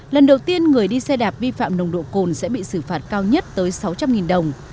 lần đầu tiên người đi xe đạp vi phạm nồng độ cồn sẽ bị xử phạt cao nhất tới sáu trăm linh đồng